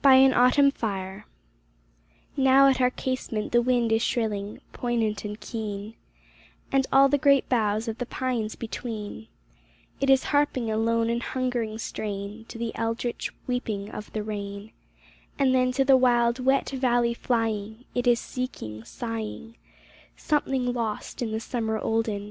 157 BY AN AUTUMN FIRE Now at our casement the wind is shrilling, Poignant and keen And all the great boughs of the pines between It is harping a lone and hungering strain To the eldritch weeping of the rain; And then to the wild, wet valley flying It is seeking, sighing, Something lost in the summer olden.